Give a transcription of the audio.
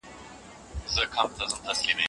زوى دې ومره شالماره لېونى دې كړ جهان